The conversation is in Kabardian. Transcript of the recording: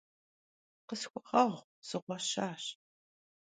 Khısxueğueğu, sığueşaş.